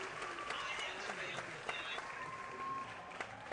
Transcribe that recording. Kinyume na hii katika sheria ya Waislamu